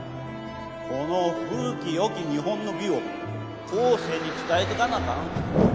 この古き良き日本の美を後世に伝えてかなあかん